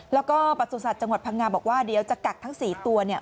แล้วก็ประสุทธิ์จังหวัดพังงาบอกว่าเดี๋ยวจะกักทั้ง๔ตัวเนี่ย